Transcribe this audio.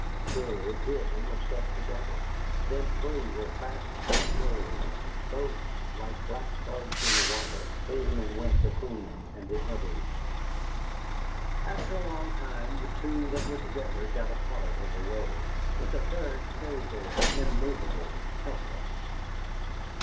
Surely two of them were stuck together, then three were fast on a shoal. Boats, like black bugs in the water, came and went between them and the others. After a long time the two that were together got apart and away. But the third stayed there, immovable, helpless.